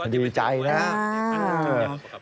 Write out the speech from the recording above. ดีใจนะครับ